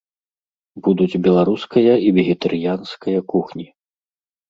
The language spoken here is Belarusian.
Будуць беларуская і вегетарыянская кухні.